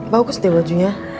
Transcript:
bagus deh wajunya